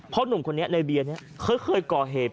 เพราะหนุ่มคนนี้ในเบียนเคยเกาะเหตุ